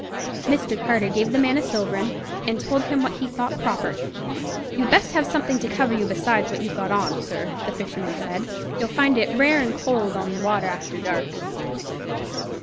Mr. Carter gave the man a sovereign, and told him to get what he thought proper. "You'd best have something to cover you besides what you've got on, sir," the fisherman said; "you'll find it rare and cold on 't water after dark."